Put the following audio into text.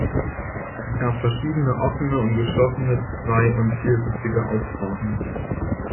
Es gab verschiedene offene und geschlossene zwei- und viersitzige Aufbauten.